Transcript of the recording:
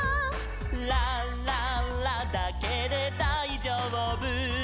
「ラララだけでだいじょうぶ」